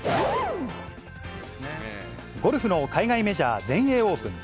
ゴルフの海外メジャー、全英オープン。